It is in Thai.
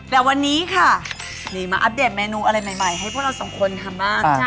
และวันนี้ค่ะหนีมาอัปเดตเมนูอะไรใหม่เพื่อให้พวกเราสมควรทำมาก